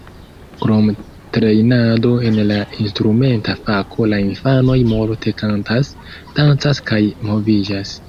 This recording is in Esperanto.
Krom trejnado en la instrumenta fako la infanoj multe kantas, dancas kaj moviĝas.